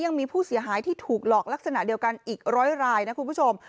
ยังมีผู้เสียหายที่ถูกหลอกลักษณะเดียวกันอีกร้อยรายนะคุณผู้ชม